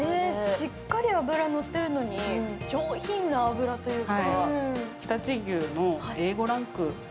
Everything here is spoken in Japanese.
しっかり脂のってるのに上品な脂というか。